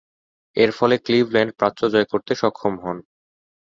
এর ফলে ক্লিভল্যান্ড প্রাচ্য জয় করতে সক্ষম হন।